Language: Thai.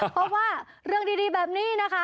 เพราะว่าเรื่องดีแบบนี้นะคะ